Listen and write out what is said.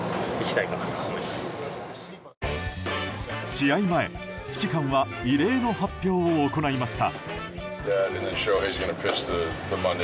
試合前、指揮官は異例の発表を行いました。